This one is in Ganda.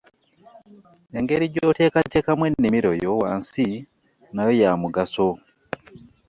Engeri gy’oteekateekamu ennimiro yo wansi nayo ya mugaso.